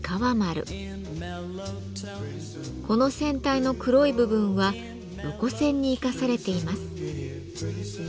この船体の黒い部分は横線に生かされています。